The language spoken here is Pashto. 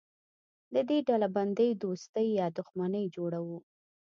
له دې ډلبندۍ دوستي یا دښمني جوړوو.